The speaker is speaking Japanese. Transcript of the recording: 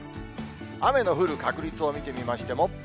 雨の降る確率を見てみましても。